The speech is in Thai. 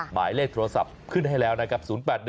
หมายเลขโทรศัพท์ขึ้นให้แล้วนะครับ๐๘๑